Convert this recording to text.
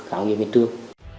cả nghiệp hiện trường